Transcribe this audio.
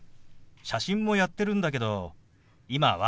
写真もやってるんだけど今は。